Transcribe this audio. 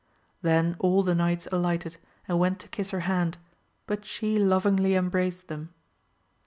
Then all the knights alighted and went to kiss her hand, but she lovingly embraced them.